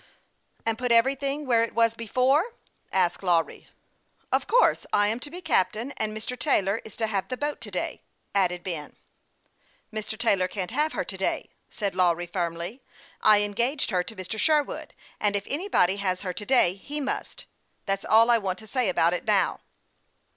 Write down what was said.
" And put everything where it was before ?" asked Lawry. 228 HASTE ^ND WASTE, OB " Of course I am to be captain, and Mr. Taylor is to have the boat to day," added Ben. " Mr. Taylor can't have her to day," said Lawry, firmly. " I engaged her to Mr. Sherwood, and if anybody has her to day, he must. That's all I want to say about it now."